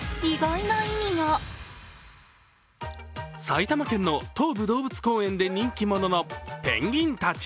埼玉県の東武動物公園で人気者のペンギンたち。